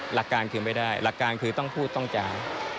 หลักการคือไม่ได้หลักการคือต้องพูดต้องจ่าย